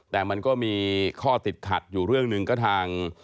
แต่มันก็มีข้อติดขัดอยู่เรื่องหนึ่งก็ทาง